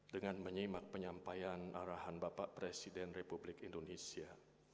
dengan menyimak penyampaian arahan bapak presiden republik indonesia